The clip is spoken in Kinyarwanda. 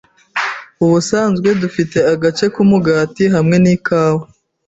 Ubusanzwe dufite agace k'umugati hamwe n'ikawa.